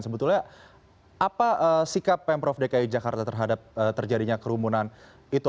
sebetulnya apa sikap pemprov dki jakarta terhadap terjadinya kerumunan itu